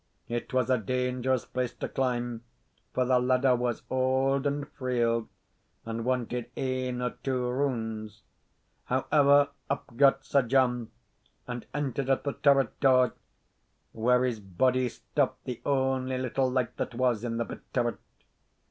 It was a dangerous place to climb, for the ladder was auld and frail, and wanted ane or twa rounds. However, up got Sir John, and entered at the turret door, where his body stopped the only little light that was in the bit turret.